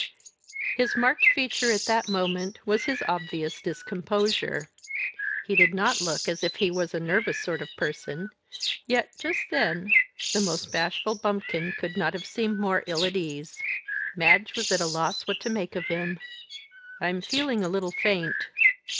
His marked feature, at that moment, was his obvious discomposure. He did not look as if he was a nervous sort of person; yet, just then, the most bashful bumpkin could not have seemed more ill at ease. Madge was at a loss what to make of him. "I'm feeling a little faint."